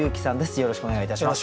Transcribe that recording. よろしくお願いします。